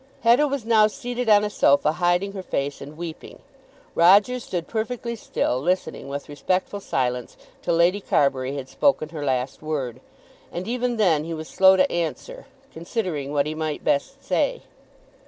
Hetta was now seated on a sofa hiding her face and weeping. Roger stood perfectly still, listening with respectful silence till Lady Carbury had spoken her last word. And even then he was slow to answer, considering what he might best say.